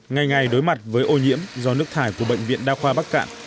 ngày ngày đối mặt với ô nhiễm do nước thải của bệnh viện đa khoa bắc cạn